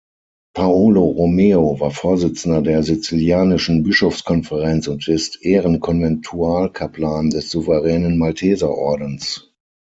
Paolo Romeo war Vorsitzender der Sizilianischen Bischofskonferenz und ist Ehren-Konventualkaplan des Souveränen Malteserordens.